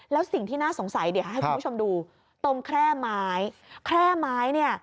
แล้วสิ่งที่น่าสงสัยเดี๋ยวให้คุณผู้ชมดูตรงแคร่ไม้แคร่ไม้เนี่ย